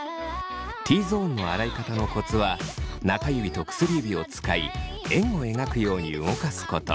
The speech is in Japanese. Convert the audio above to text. Ｔゾーンの洗い方のコツは中指と薬指を使い円を描くように動かすこと。